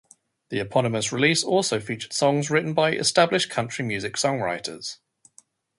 The eponymous release also featured songs written by established country music songwriters.